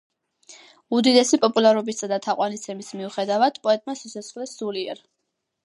უდიდესი პოპულარობისა და თაყვანისცემის მიუხედავად, პოეტმა სიცოცხლე სულიერ